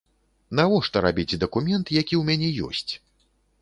Навошта рабіць дакумент, які ў мяне ёсць?